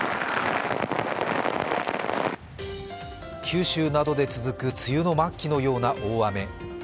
九州などで続く梅雨の末期のような大雨。